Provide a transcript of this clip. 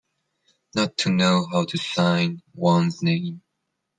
Not to know how to sign one's name.